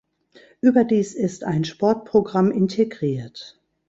Überdies ist ein Sportprogramm integriert.